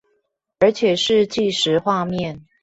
而且是計時畫面？